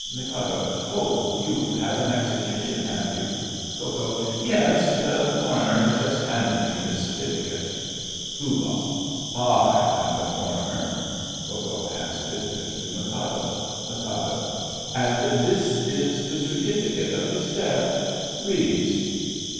MIK. Oh, you've had an execution, have you? KO. Yes. The Coroner has just handed me his certificate. POOH. I am the Coroner. (Ko Ko hands certificate to Mikado.) MIK. And this is the certificate of his death. (Reads.)